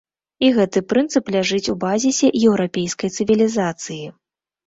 І гэты прынцып ляжыць у базісе еўрапейскай цывілізацыі.